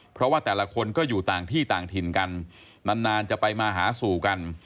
เพราะว่าแต่ละคนก็อยู่ต่างที่ต่างถิ่นกันนานจะไปมาหาสู่กัน